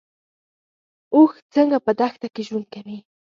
اوښ څنګه په دښته کې ژوند کوي؟